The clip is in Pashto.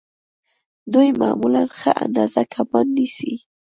دوی معمولاً ښه اندازه کبان نیسي